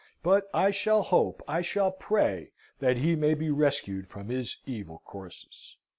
But I shall hope, I shall pray, that he may be rescued from his evil courses!"